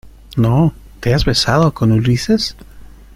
no. ¿ te has besado con Ulises?